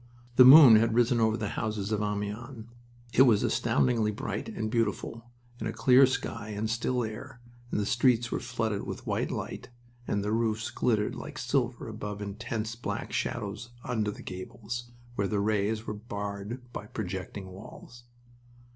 The moon had risen over the houses of Amiens. It was astoundingly bright and beautiful in a clear sky and still air, and the streets were flooded with white light, and the roofs glittered like silver above intense black shadows under the gables, where the rays were barred by projecting walls.